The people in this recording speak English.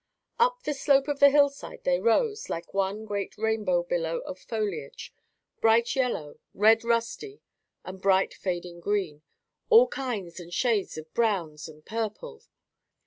Up the slope of the hillside they rose like one great rainbow billow of foliage—bright yellow, red rusty and bright fading green, all kinds and shades of brown and purple.